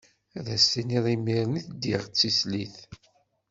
Ad as-tiniḍ imiren i ddiɣ d tislit.